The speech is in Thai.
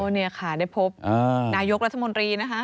นี่ค่ะได้พบนายกรัฐมนตรีนะคะ